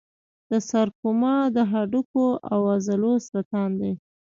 د سارکوما د هډوکو او عضلو سرطان دی.